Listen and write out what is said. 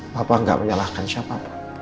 papa gak menyalahkan siapa